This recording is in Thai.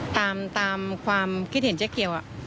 ตามความคิดเห็นเจ๊เกียว